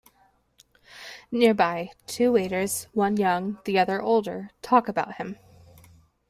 Nearby, two waiters, one young, the other older, talk about him.